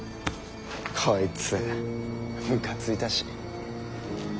こいつむかついたし。